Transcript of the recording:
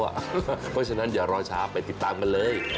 เพราะฉะนั้นอย่ารอช้าไปติดตามกันเลย